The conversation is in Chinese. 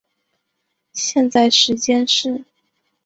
现在时间是。